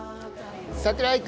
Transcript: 櫻井君！